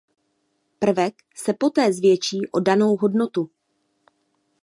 Prvek se poté zvětší o danou hodnotu.